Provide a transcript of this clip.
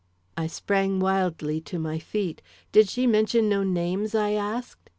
I sprang wildly to my feet. "Did she mention no names?" I asked.